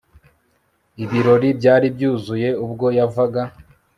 Ibirori byari byuzuye ubwo yavaga